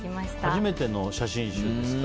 初めての写真集ですか。